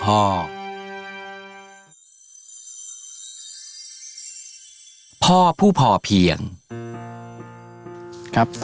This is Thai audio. พ่อผู้พอเพียง